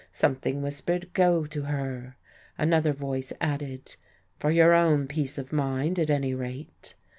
Something whispered, "go to her"; another voice added, "for your own peace of mind, at any rate."